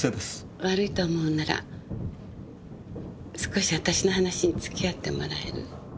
悪いと思うなら少し私の話に付き合ってもらえる？